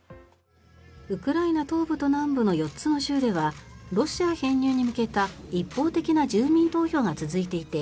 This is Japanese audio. ウクライナ東部と南部の４つの州ではロシア編入に向けた一方的な住民投票が続いていて